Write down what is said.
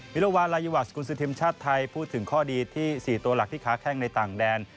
รวาลลายวาสกุลซื้อทีมชาติไทยพูดถึงข้อดีที่๔ตัวหลักที่ค้าแข้งในต่างแดน